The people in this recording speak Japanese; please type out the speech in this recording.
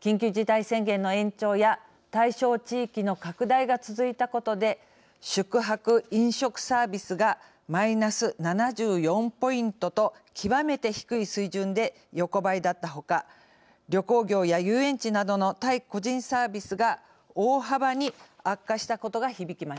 緊急事態宣言の延長や対象地域の拡大が続いたことで宿泊・飲食サービスがマイナス７４ポイントと極めて低い水準で横ばいだったほか旅行業や遊園地などの対個人サービスが大幅に悪化したことが響きました。